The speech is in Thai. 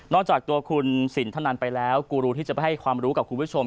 จากตัวคุณสินทนันไปแล้วกูรูที่จะไปให้ความรู้กับคุณผู้ชม